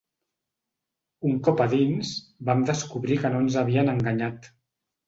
Un cop a dins, vam descobrir que no ens havien enganyat